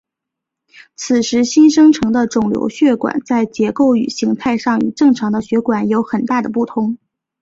此时新生成的肿瘤血管在结构与形态上与正常的血管有很大的不同。